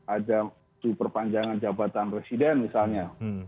ada isu perpanjangan jabatan residen misalnya